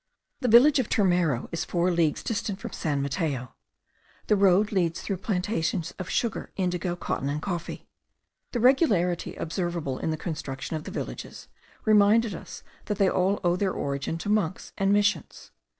The village of Turmero is four leagues distant from San Mateo. The road leads through plantations of sugar, indigo, cotton, and coffee. The regularity observable in the construction of the villages, reminded us that they all owe their origin to monks and missions.